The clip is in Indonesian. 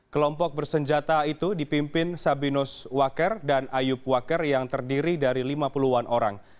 kelompok bersenjata itu dipimpin sabinus waker dan ayub waker yang terdiri dari lima puluh an orang